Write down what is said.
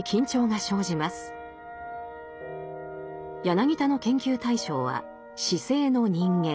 柳田の研究対象は市井の人間。